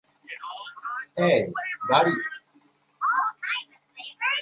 এই, গাড়ি!